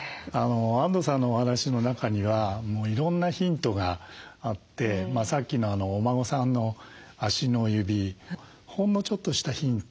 安藤さんのお話の中にはいろんなヒントがあってさっきのお孫さんの足の指ほんのちょっとしたヒント